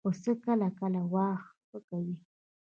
پسه کله کله واهه کوي.